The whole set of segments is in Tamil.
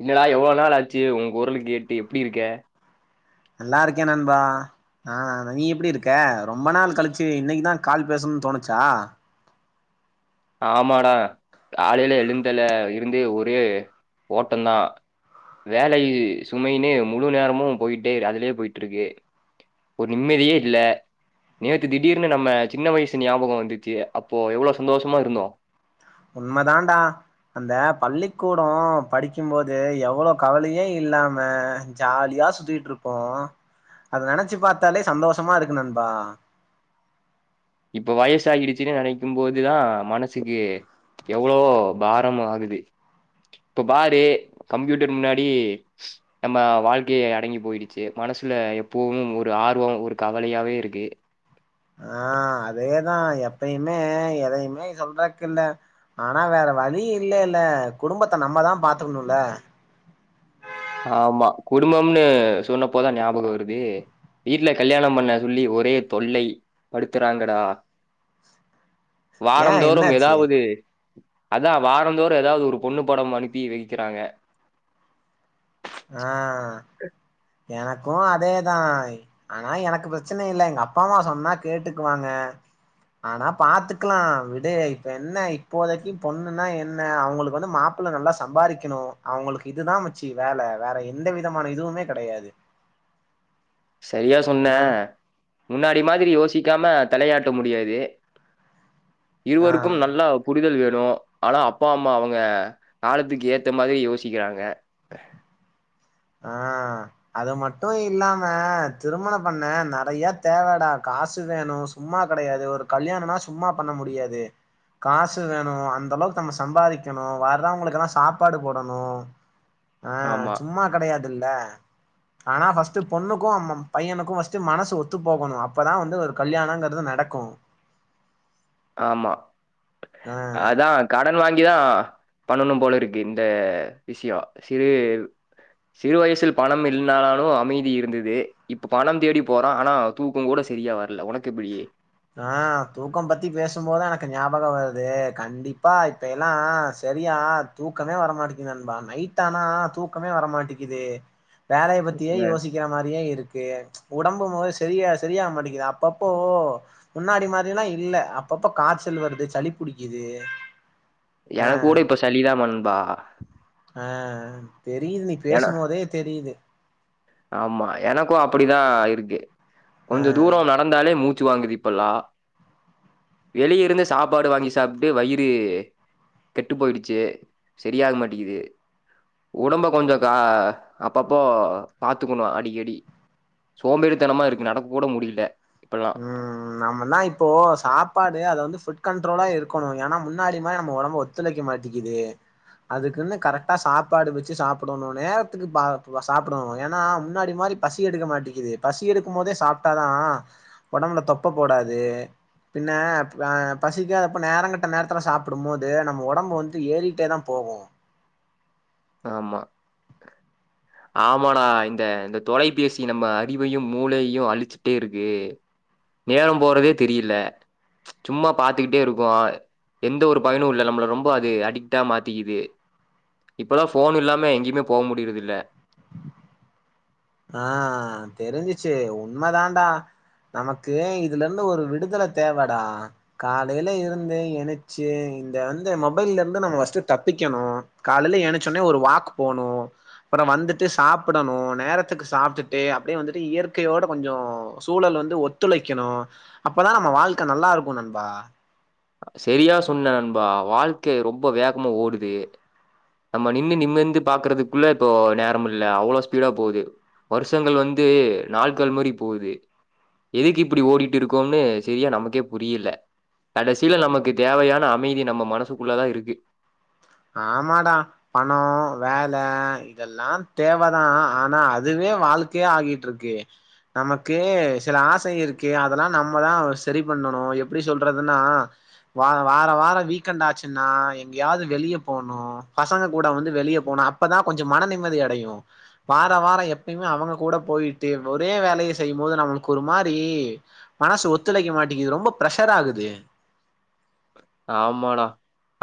இன்னடா எவ்வளவு நாள் ஆச்சு ஒ குரல கேட்டு எப்டி இருக்க நல்லா இருக்கே நண்பா ஆ நீ எப்டி இருக்க ரொம்ப நாள் கழிச்சு இன்னைக்குதா கால் பேசணும்னு தோணுச்சா ஆமாடா காலேல எழுந்தல இருந்து ஒரே ஓட்டந்தா வேல சுமைன்னு முழு நேரமு போயிட்டே அதுலயே போயிட்டு இருக்கு ஒரு நிம்மதியே இல்ல நேத்து திடீர்னு நம்ம சின்ன வயசு ஞாபக வந்துச்சு அப்போ எவ்வள சந்தோஷம் சும்மா இருந்தோ உண்மதான்டா அந்த பள்ளிக்கூடோ படிக்கும்போது எவ்வள கவலயே இல்லாம ஜாலியா சுத்திட்டு இருப்போ அத நெனச்சு பாத்தாலே சந்தோஷமா இருக்கு நண்பா இப்ப வயசாகிடுச்சுன்னு நெனைக்கும் போதுதா மனசுக்கு எவ்ளோ பாரமா ஆகுது இப்ப பாரு கம்ப்யூட்டர் முன்னாடி நம்ம வாழ்க்கய அடங்கி போயிடுச்சு மனசுல எப்பவு ஒரு ஆர்வோ ஒரு கவலையாவே இருக்கு ஆ அதேதா எப்பயுமே எதையுமே சொல்றக்கு இல்ல ஆனா வேற வழி இல்ல இல்ல குடும்பத்த நம்மதா பாத்துக்கணும்ல ஆமா குடும்பம்னு சொன்னப்போ தா ஞாபகம் வருது வீட்ல கல்யாணம் பண்ண சொல்லி ஒரே தொல்லை படுத்துறாங்கடா ஏ வாரந் தோறும் என்னாச்சு எதாவது அதா வாரந்தோறு ஏதாவது ஒரு பொண்ணு படம் அனுப்பி வெக்குறாங்க ஆ ஏனா க்கு அதேதா ஆனா எனக்கு பிரச்சன இல்ல எங்க அப்பா அம்மா சொன்னா கேட்டுக்குவாங்க ஆனா பாத்துக்லா விடு இப்ப என்ன இப்போதைக்கு பொண்ணுன்னா என்ன அவுங்களுக்கு வந்து மாப்ள நல்லா சம்பாரிக்கணு அவுங்களுக்கு இதுதா மச்சி வேல வேற எந்த விதமான இதுவுமே கெடயாது சரியா சொன்னே முன்னாடி மாரி யோசிக்காம தலயாட்ட முடியாது ஆ இருவருக்கும் நல்லா புரிதல் வேண்டும் லோ ஆனா அப்பா அம்மா அவுங்க காலத்துக்கு ஏத்த மாரி யோசிக்கிறாங்க ஆ அது மட்டு இல்லாம திருமண பண்ண நெறைய தேவடா காசு வேணு சும்மா கடையாது ஒரு கல்யாணனா சும்மா பண்ண முடியாது காசு வேணு அந்தளவுக்கு நம்ம சம்பாதிக்கனு வரவீங்களுக்கெல்லா சாப்பாடு போடனு ஆ ஆமா, சும்மா டுல்ல ஆனா ஃபஸ்ட்டு பொண்ணுக்கு அம்மம் பையனுக்கு ஃபஸ்ட்டு மனசு ஒத்து போகனு‌ அப்பதா வந்து ஒரு கல்யாணங்கிறது நடக்கு ஆமா ஆ அதா கடன் வாங்கிதா பண்ணனும் போல இருக்கு இந்த விஷ்யொ சிறு சிறு வயசில் பணம் இல்னானாலு அமைதி இருந்தது இப்ப பணம் தேடி போறோ ஆனா தூக்கங்கூட சரியா வர்ல ஒனக்கெப்புடி? ஆ தூக்கம் பத்தி பேசும்போதா எனக்கு ஞாபக வருது கண்டிப்பா இப்ப எல்லா சரியா தூக்கமே வரமாட்டெக்கி நண்பா நைட்டானா தூக்கமே வரமாட்டிக்கிது வேலைய பத்தியே அ யோசிக்கிற மாரியே இருக்கு ஒடம்பு மொத சரியா சரியாக மாட்டெக்குது அப்பப்போ முன்னாடி மாரில்லா இல்ல அப்பப்ப காச்சல் வருது சளி புடிக்குது ஆ எனக் கூட இப்ப சளிதா நண்பா ஆ ஆ தெரியிது நீ ஏன்னா பேசும்மோதே தெரியிது ஆமா எனக்கு அப்புடிதா இருக்கு ஆ கொஞ்ச தூரொ நடந்தாலே மூ ச்சு வாங்குது இப்பல்லா வெளிய இருந்து சாப்பாடு வாங்கி சாப்ட்டு வயிறு கெட்டு போயிடுச்சு செரியாக மாட்டெக்குது ஒடம்ப கொஞ்சொ கா அப்பப்போ பாத்துக்கனு அடிக்கடி சோம்பேறித்தனமா இருக்கு நடக்க கூட முடில ம் நாமன்னா இப்போ சாப்பாடு அத வந்து ஃபுட் கண்ட்ரோலா இருக்கனு ஏனா முன்னாடி மாரி நம்ம ஒடம்பு ஒத்துழைக்க மாட்டிக்கிது அதுக்குன்னு கரெக்டா சாப்பாடு வச்சு சாப்புடனு நேரத்துக்கு பா சாப்புடனு ஏனா முன்னாடி மாரி பசி எடுக்க மாட்டிக்குது பசி எடுக்கும் மோதே சாப்டாதா ஒடம்புல தொப்ப போடாது பின்ன அ பசிக்காதாப்ப நேரங்கெட்ட நேரத்துல சாப்புடும்மோது நம்ம ஒடம்பு வந்து ஏறிட்டேதா போகு ஆமா ஆமாடா இந்த இந்த தொலைபேசி நம்ம அறிவையு மூளையு அழிச்சுட்டே இருக்கு நேரம் போறதே தெரியில சும்மா பாத்துக்கிட்டே இருக்கோ எந்த ஒரு பயனு இல்ல நம்மள ரொம்ப அது அடிக்டா மாத்திக்கிது இப்பதா ஃபோன் இல்லாம எங்யுமே போ முடியிறதில்ல ஆ தெருஞ்சுச்சு உண்ம தான்டா நமக்கு இதுலந்து ஒரு விடுதல தேவடா காலைல இருந்து எனுச்சு இந்த வந்து மொபைல்லந்து நம்ம ஃபஸ்ட்டு தப்பிக்கனு காலைல எனுச்சோனே ஒரு வாக் போனு அப்புற வந்துட்டு சாப்பிடனு நேர த்துக்கு சாப்டுட்டு அப்டியே வந்துட்டு இயற்கையோட கொஞ்சோ சூழல் வந்து ஒத்துழைக்கனு அப்பதா நம்ம வாழ்க்க நல்லாருக்கு நண்பா சரியா சொன்ன நண்பா வாழ்க்க ரொம்ப வேகமா ஓடுது நம்ம நின்னு நிமிந்து பாக்குறதுக்குள்ள இப்போ நேரமில்ல அவ்ளோ ஸ்பீடா போது வருஷங்கள் வந்து நாள்கள் மாரி போது எதுக்கு இப்டி ஓடிட்டு இருக்கோம்னு சரியா நமக்கே புரியில கடைசில நமக்கு தேவையான அமைதி நம்ம மனசுக்குள்ளதா இருக்கு ஆமாடா பணொ வேல இதெல்லா தேவதா ஆனா அதுவே வாழ்க்கையா ஆகிட்ருக்கு நமக்கு சில ஆசை இருக்கு அதெல்லா நம்மதா சரி பண்ணனு எப்டி சொல்றதுன்னா வா வார வார வீக்கெண்ட் ஆச்சுன்னா எங்யாது வெளிய போனு பசங்க கூட வந்து வெளிய போனு அப்பதா கொஞ்ச மன நிம்மதி அடையு வார வார எப்பய்மே அவுங்க கூட போயிட்டு ஒரே வேலைய செய்யும்மோது நம்மளுக்கு ஒரு மாரி மனசு ஒத்துழைக்க மாட்டிங்குது ரொம்ப பிரஷர் ஆகுது ஆமாடா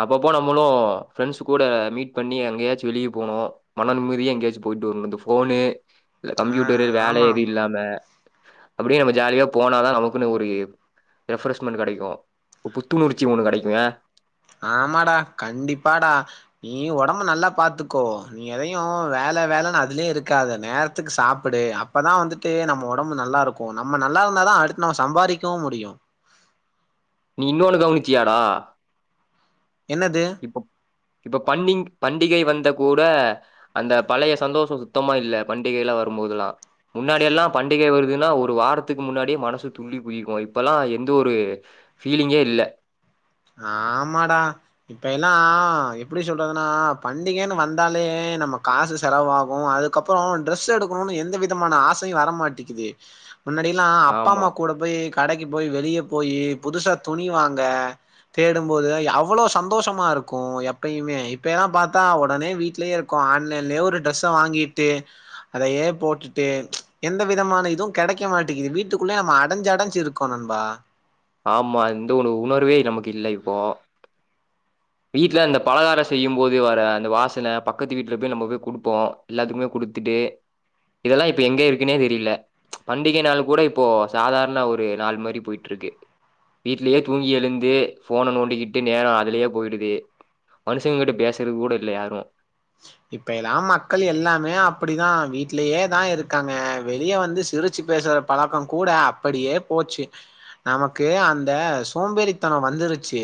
அப்பப்போ நம்மளு ஃப்ரெண்ட்ஸுக் கூட மீட் பண்ணி எங்கயாச்சு வெளிய போனு மன நிம்மதியா எங்யாச்சு போய்ட்டு வர்னு இந்த ஃபோனு இந்த ஆ கம்ப்யூட்டரு வேல ஆமா எது ஆமா இல்லாம அப்டியே நம்ம ஜாலியா போனாதா நமக்குன்னு ஒரு ரெஃப்ரஷ்மெண்ட் கெடைக்கு ஒரு புத்துணர் ச்சி ஒன்னு கெடைக்குங்க ஆமாடா ஒடம்பு நல்லா பாத்துக்கோ நீ எதையு வேல வேலன் அதுலயே இருக்காத நேரத்துக்கு சாப்புடு அப்பதா வந்துட்டு நம்ம ஒடம்பு நல்லாருக்கு நம்ம நல்லாருந்தாதா அடுத் நம்ம சம்பாரிக்கவு முடியு நீ இன்னொன்னு கவனிச்சியாடா? என்னது இப்ப இப்ப பண்டி பண்டிகை வந் த கூட அந்த பழைய சந்தோஷொ சுத்தமா இல்ல பண்டிகைலா வரும்போதுலா முன்னாடியெல்லா பண்டிகை வரு துன்னா ஒரு வாரத்துக்கு முன்னாடியே மனசு துள்ளி குதிக்கு இப்பல்லா எந்த ஒரு ஃபீலிங்கே இல்ல ஆமாடா இப்ப எல்லா எப்பிடி சொல்றதுனா பண்டிகன்னு வந்தாலே நம்ம காசு செலவாகு அதுக்கப்புறொ டிரெஸ் எடுக்கணுன் எந்த விதமான ஆசையு வரமாட்டிக்குது முன்னாடில்லா ஆமா அப்பாம்மா கூட போய் கடைக்கு போய் வெளிய போயி புதுசா துணிவாங்க தேடும்போது அவ்வளோ சந்தோஷமா இருக்கு எப்பயுமே இப்பயெல்லா பாத்தா ஒடனே வீட்லயே இருக்கோ ஆன்லைன்லயே ஒரு ட்ரெஸ்ஸ வாங்கிட்டு அதையே போட்டுட்டு எந்த விதமான இதுவு கெடைக்க மாட்டிக்கிது வீட்டுக்குள்ளயே நம்ம அடஞ்சு அடஞ்சு இருக்கோ நண்பா ஆமா இந்த ஒனு உணர்வே நமக்கு இல்ல இப்போ வீட்ல அந்த பலகார செய்யும் போது வர அந்த வாசன பக்கத்து வீட்ல போய் நம்ம போய் குடுப்போ எல்லாத்துக்குமே குடுத்துட்டு இதெல்லா இப்ப எங்க இருக்குன்னே தெரில பண்டிக நாள் கூட இப்போ சாதாரண ஒரு நாள் மாரி போயிட்ருக்கு வீட்லயே தூங்கி எழுந்து ஃபோன நோண்டிக்கிட்டு நேரொ அதுலயே போயிடு து மனுஷங்க கிட்ட பேசுறது கூட இல்ல யாரு இப்பயெலா மக்கள் எல்லாமே அப்புடிதா வீட்லயே தா இருக்காங்க வெளிய வந்து சிரிச்சு பேசுற பழக்கொ கூட அப்படியே போச்சு நமக்கு அந்த சோம்பேறித்தனொ வந்துருச்சு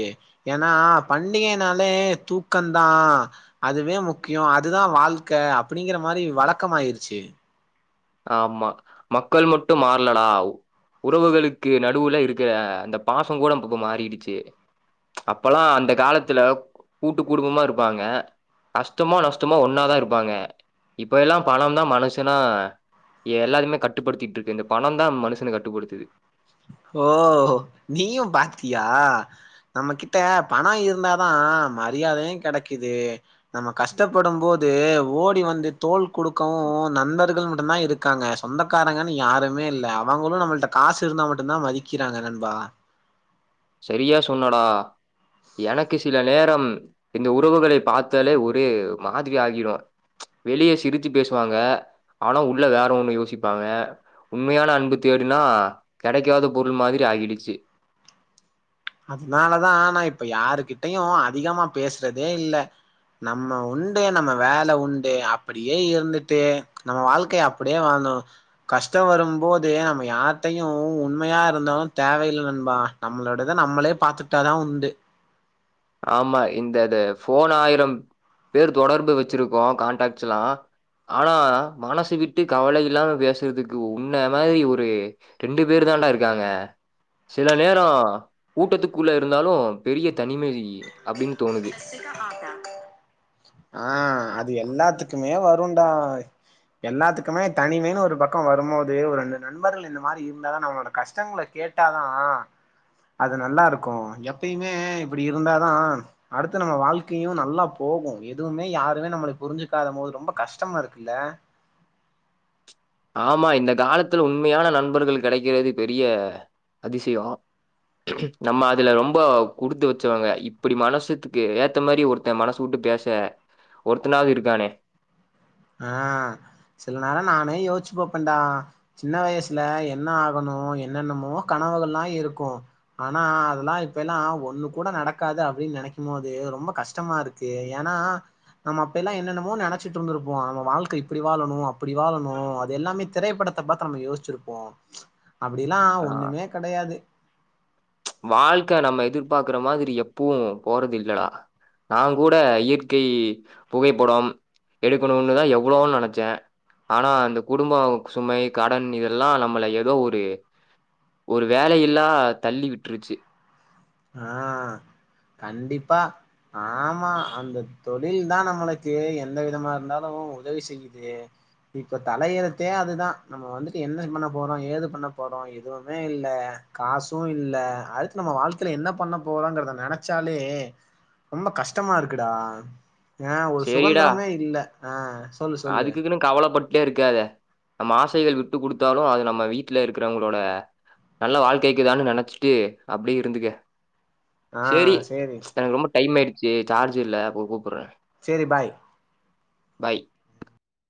ஏனா பண்டிகனாலே தூக்கந்தா அதுவே மு க்கியொ அதுதா வாழ்க்க அப்புடிங்கிற மாரி வழக்கமாயிருச்சு ஆமா மக்கள் மட்டு மாறலடா உறவுகளுக்கு நடுவுல இருக்குற அந்த பாசொங்கூட இப்பப்ப மாறிடுச்சு அப்பல்லா அந்த காலத்துல கூட்டு குடும்பமா இருப்பாங்க கஷ்டமோ நஷ்டமோ ஒன்னாதா இருப்பாங்க இப்ப எல்லா பணந்தா மனஷனா எல்லாரையுமே கட்டுப்படுத்திட்ருக்கு இந்த பணந்தா மனுஷன கட்டுப்படுத்துது ஓ நீயும் பாத்தியா நம்ம கிட்ட பண இருந்தாதா மரியாதையு கடைக்கிது நம்ம கஷ்டப்படும் போது ஓ டி வந்து தோள் குடுக்கவு நண்பர்கள் மட்டுந்தா இருக்காங்க சொந்தக்காரங்கன் யாருமே இல்ல அவுங்களு நம்மகிட்ட காசு இருந்தா மட் டுந்தா மதிக்கிறாங்க நண்பா சரியா சொன்னடா எனக்கு சில நேரம் இந்த உறவுகளை பாத்தாலே ஒரு மாதிரி ஆகிடு வெளிய சிரிச்சு பேசுவாங்க ஆனா உள்ள வேற ஒன்னு யோசிப்பாங்க உண்மையான அன்பு தேடுனா கெடைக்காத பொருள் மாதிரி ஆகிடுச்சு அதுனாலதான நா இப்ப யாருகிட்டையு அதிகமா பேசுறதே இல்ல நம்ம உண்டு நம்ம வேல உண்டு அப்புடியே இருந்துட்டு நம்ம வாழ்க்கை அப்படியே வாழ்ந்தோ கஷ்ட வரும் போது நம்ம யார்டையு உண்மையா இருந்தாலு தேவையில்ல நண்பா நம்மளோ டத நம்மளே பாத்துட்டாதா உண்டு ஆமா இந்தத ஃபோனாயிரம் பேர் தொடர்பு வச்சிருக்கோ கான்டாக்ட்ஸ் எல்லா ஆனா மனசு விட்டு கவல இல்லாம பேசுறதுக்கு உன்ன மாதிரி ஒரு ரெண்டு பேர் தான்டா இருக்காங்க சில நேர கூட்டத்துக்குள்ள இருந்தாலு பெரிய தனிமை அப்டின்னு தோணுது. ஆ அது எல்லாத்துக்குமே வ ருன்டா எல்லாத்துக்குமே தனிமைன் ஒரு பக்க வரும்மோது ஒர் ரெண்டு நண்பர்கள் இந்த மாரி இருந்தாதா நம்மளோட கஷ்டங்கள கேட்டாதா அது நல்லாருக்கு எப் பயுமே இப்பிடி இருந்தாதா அடுத்து நம்ம வாழ்க்கையு நல்லா போகு எதுவுமே யாருமே நம்மள புரிஞ்சுக்காத போது ரொம்ப கஷ்டமா இருக்குல்ல ஆமா இந்த காலத்துல உண்மையான நண்பர்கள் கெடைக்கிறது பெரிய அதிசயொ நம்ம அதுல ரொம்ப குடுத்து வச்சவங்க இப்புடி மனசுத்துக்கு ஏத்த மாரி ஒருத்த மனசு வுட்டு பேச ஒருத்தனாது இருக்கானே ஆ சில நேரொ நானே யோச்சு பாப்பேன்டா சின்ன வயசுல என்ன ஆகனு என்னென்னமோ கனவுகள்லா இருக்கு ஆனா அதுலா இப்பயெல்லா ஒன்னு கூட நடக்காது அப்டின் நெனைக்கும் போது ரொம்ப கஷ்டமா இருக்கு ஏனா நம்ம அப்பயெல்லா என்னென்னமோ நெனச்சிட்டு இருந்துருப் போ நம்ம வாழ்க்க இப்புடி வாழனு அப்புடி வாழனு அது எல்லாமே திரைப்படத்த பாத்து நம்ம யோசிச்சிருப்போ அப்டிலா ஆ ஒன்னுமே கடயாது வாழ்க்க நம்ம எதிர்பாக்குற மாதிரி எப்பவு போறது இல்லடா நா கூட இயற்கை புகைப்படம் எடுக்கணுன்னுதா எவ்வளவொ நெனச்சே ஆனா அந்த குடும்ப சுமை கடன் இதெல்லா நம்மள எதோ ஒரு ஒரு வேலையில்லா தள்ளி விட் ருச்சு ஆ கண்டிப்பா ஆமா அந்த தொழில்தா நம்மளுக்கு எந்த விதமா இருந்தாலு உதவி செய்யிது இப்ப தலையெழுத்தே அதுதா நம்ம வந்துட்டு என்ன பண்ண போறோ ஏது பண்ண போறோ எதுவுமே இல்ல காசு இல்ல அடுத்து நம்ம வாழ் க்கைல என்ன பண்ண போறோங்குறத நனச்சாலே ரொம்ப கஷ்டமா இருக்குடா ஏனா ஒரு சேரிடா சுகந்திரமே இல்ல ஆ சொல்லு சொல்லு டே இருக்காத நம்ம ஆசைகள் விட்டு குடுத்தாலு அது நம்ம வீட்ல இருக்குறவுங்களோட நல்ல வாழ்க்கைக்குதான்னு நெனச்சுட்டு அப்டியே இருந்துக்க சேரி எனக்கு ரொம்ப டைம் ஆயிடு சேரி சார்ஜ் இல்ல அப்ப கூப்புட்றே சேரி பாய் பாய்